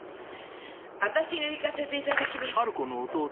私が行かせていただきます。